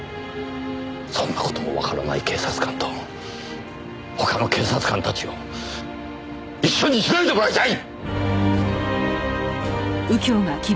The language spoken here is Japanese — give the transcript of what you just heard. そんな事もわからない警察官と他の警察官たちを一緒にしないでもらいたい！